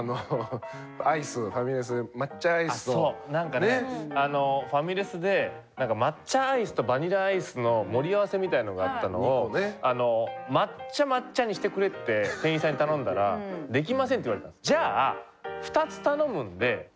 なんかねファミレスで抹茶アイスとバニラアイスの盛り合わせみたいのがあったのを抹茶・抹茶にしてくれって店員さんに頼んだらできませんって言われたんです。